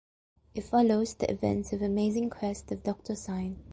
It follows the events of "Amazing Quest of Doctor Syn".